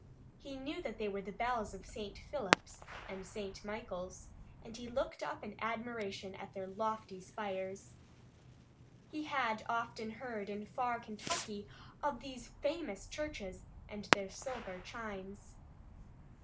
He knew that they were the bells of St. Philip's and St. Michael's, and he looked up in admiration at their lofty spires. He had often heard, in far Kentucky, of these famous churches and their silver chimes.